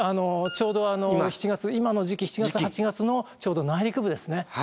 ちょうど今の時期７月・８月のちょうど内陸部ですね。